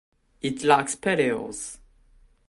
It lacks petioles.